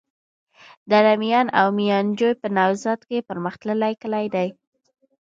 دره میان او ميانجوی په نوزاد کي پرمختللي کلي دي.